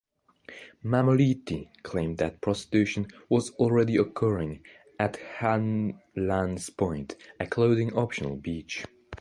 Mammoliti claimed that prostitution was already occurring at Hanlan's Point, a clothing optional beach.